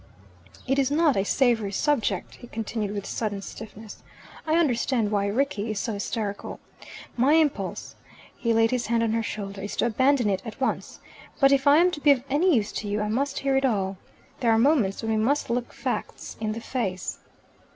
"It is not a savoury subject," he continued, with sudden stiffness. "I understand why Rickie is so hysterical. My impulse" he laid his hand on her shoulder "is to abandon it at once. But if I am to be of any use to you, I must hear it all. There are moments when we must look facts in the face."